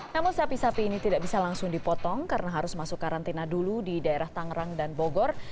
namun sapi sapi ini tidak bisa langsung dipotong karena harus masuk karantina dulu di daerah tangerang dan bogor